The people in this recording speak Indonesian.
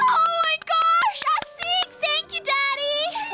astaga asik terima kasih dari